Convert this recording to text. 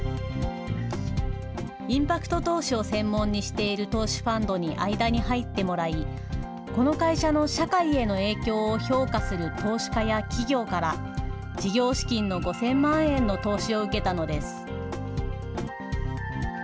インパクト投資を専門にしている投資ファンドに間に入ってもらい、この会社の社会への影響を評価する投資家や企業から、事業資金の５０００万円の投資を受けたのです。